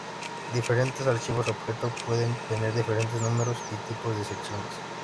Diferentes archivos objeto pueden tener diferentes números y tipos de secciones.